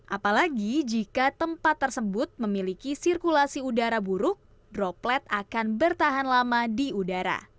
apalagi jika tempat tersebut memiliki sirkulasi udara buruk droplet akan bertahan lama di udara